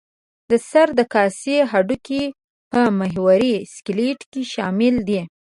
د سر د کاسې هډوکي په محوري سکلېټ کې شامل دي.